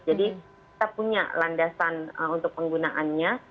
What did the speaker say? jadi kita punya landasan untuk penggunaannya